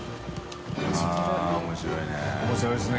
◆舛面白いね。